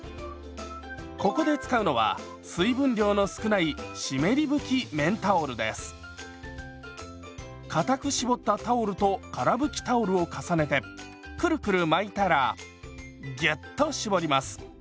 ここで使うのは水分量の少ないかたく絞ったタオルとから拭きタオルを重ねてクルクル巻いたらギュッと絞ります。